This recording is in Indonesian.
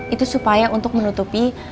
itu supaya untuk menutupi